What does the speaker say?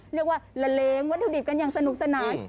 เรียกว่าละเลงวัตถุดิบกันอย่างสนุกสนาน